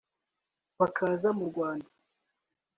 bakaza mu Rwanda